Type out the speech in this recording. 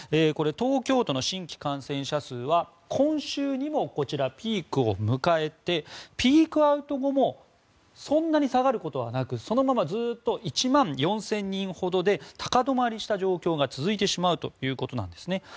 これは東京都の新規感染者数は今週にもこちら、ピークを迎えてピークアウト後もそんなに下がることはなくそのままずっと１万４０００人ほどで高止まりした状況が続いてしまうということです。